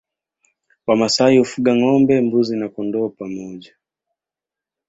Wamasai hufuga ngombe mbuzi na kondoo pamoja